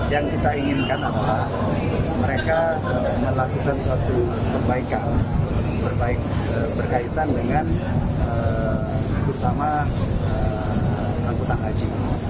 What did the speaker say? yang kita inginkan adalah mereka melakukan suatu perbaikan berkaitan dengan terutama angkutan haji